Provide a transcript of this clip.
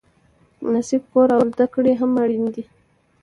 مناسب کور او زده کړې هم اړینې دي.